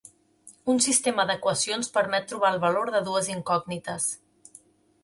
Un sistema d'equacions permet trobar el valor de dues incògnites.